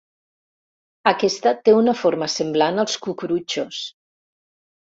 Aquesta té una forma semblant als cucurutxos.